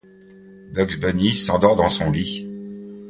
Bugs Bunny s'endort dans son lit.